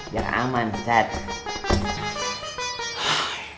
biar aman secara aman